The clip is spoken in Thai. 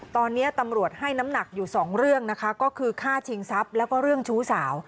ตอนนี้ตำรวจให้น้ำหนักอยู่สองเรื่องนะคะก็คือฆ่าชิงทรัพย์แล้วก็เรื่องชู้สาว